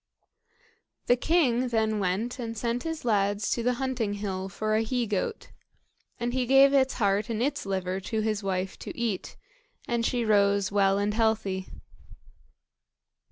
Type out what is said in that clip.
The king then went and sent his lads to the hunting hill for a he goat, and he gave its heart and its liver to his wife to eat; and she rose well and healthy.